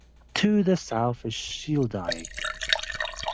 To the south is Shieldaig.